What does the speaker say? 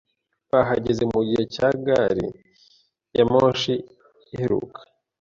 Bahageze mugihe cya gari ya moshi iheruka.